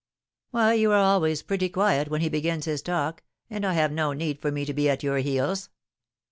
"Why, you are always pretty quiet when he begins his talk, and have no need for me to be at your heels."